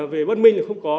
về bất minh là không có